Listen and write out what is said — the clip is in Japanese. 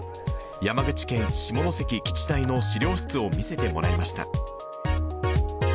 山口県下関基地隊の史料室を見せてもらいました。